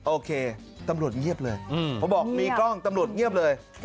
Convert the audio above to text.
โอเคตำรวจเงียบเลยเขาบอกมีกล้องตำรวจเงียบเลย